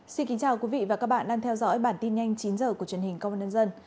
xin kính chào quý vị và các bạn đang theo dõi bản tin nhanh chín h của truyền hình công an nhân dân